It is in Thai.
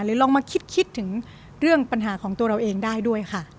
ลองมาคิดถึงเรื่องปัญหาของตัวเราเองได้ด้วยค่ะ